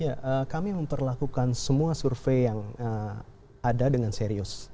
ya kami memperlakukan semua survei yang ada dengan serius